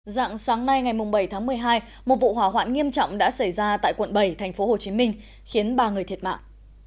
dặn sáng nay ngày bảy tháng một mươi hai một vụ hỏa hoạn nghiêm trọng đã xảy ra tại quận bảy thành phố hồ chí minh khiến ba người thiệt mạng